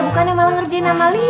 bukan emang ngerjain amalia